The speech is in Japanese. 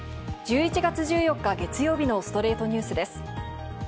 １１月１４日、月曜日の『ストレイトニュース』です。